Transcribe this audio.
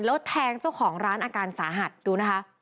แล้วแทงเจ้าของร้านอาการสาหัสดูนะคะ